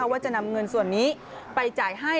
ว่าจะนำเงินส่วนนี้ไปจ่ายให้